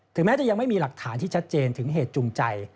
แม้จะยังไม่มีหลักฐานที่ชัดเจนถึงเหตุจูงใจ